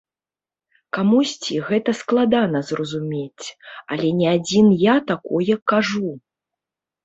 Камусьці гэта складана зразумець, але не адзін я такое кажу.